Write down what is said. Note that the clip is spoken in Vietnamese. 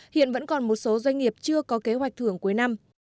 hiện vẫn còn một số doanh nghiệp chưa có kế hoạch thưởng cuối năm